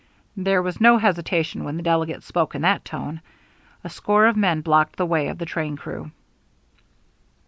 There was no hesitation when the delegate spoke in that tone. A score of men blocked the way of the train crew.